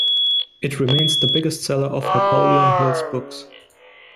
It remains the biggest seller of Napoleon Hill's books.